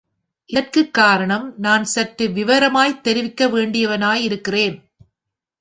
இதற்குக் காரணம், நான் சற்று விவரமாய்த் தெரிவிக்க வேண்டியவனாயிருக்கிறேன்.